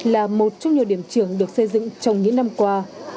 là một trong nhiều điểm trường được xây dựng trong những năm qua